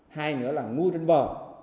hai nữa là nuôi trên bờ